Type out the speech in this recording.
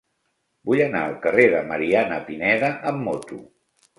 Vull anar al carrer de Mariana Pineda amb moto.